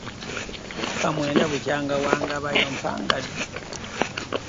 Myaka omwenda bukya wangabayo mpagadde .